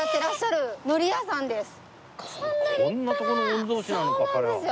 こんなとこの御曹司なのか彼は。